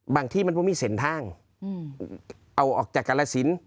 บางที่มันไม่มีเสร็จทางอืมเอาออกจากการละศิลป์